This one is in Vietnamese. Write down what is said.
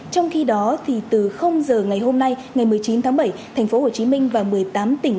trong khi đó từ giờ ngày hôm nay ngày một mươi chín tháng bảy thành phố hồ chí minh và một mươi tám tỉnh